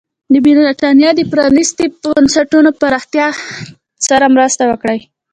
د برېټانیا د پرانېستو بنسټونو پراختیا سره مرسته وکړي.